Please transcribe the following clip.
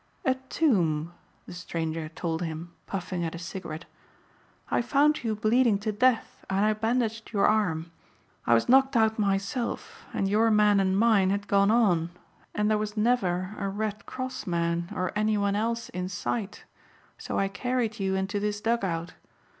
"A tomb," the stranger told him puffing at his cigarette. "I found you bleeding to death and I bandaged your arm. I was knocked out myself and your men and mine had gone on and there was never a Red Cross man or anyone else in sight so I carried you into this dug out.